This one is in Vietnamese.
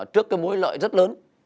trước cái mối lợi rất lớn